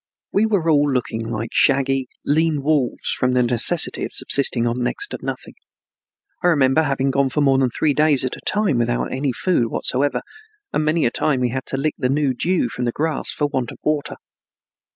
We were all looking like shaggy, lean wolves, from the necessity of subsisting on next to nothing. I remember having gone for more than three days at a time without any food whatsoever, and many a time we had to lick the dew from the grass for want of water.